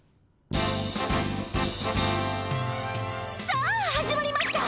さあ始まりました！